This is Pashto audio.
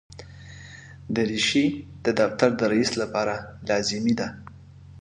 دریشي د دفتر د رئیس لپاره لازمي ده.